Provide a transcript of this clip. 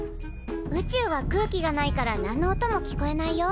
宇宙は空気がないから何の音も聞こえないよ。